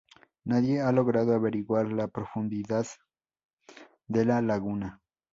Nadie ha logrado averiguar la profundidad de la laguna.